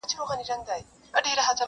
له دې غمه همېشه یمه پرېشانه،